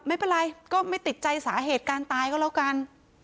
ไม่เป็นไรก็ไม่ติดใจสาเหตุการตายก็แล้วกัน